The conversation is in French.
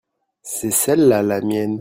c'est celle-là la mienne.